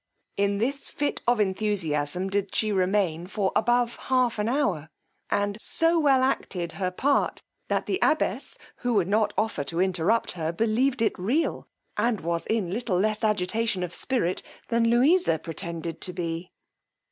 In this fit of enthusiasm did she remain for above half an hour, and so well acted her part, that the abbess, who would not offer to interrupt her, believed it real, and was in little less agitation of spirit than Louisa pretended to be.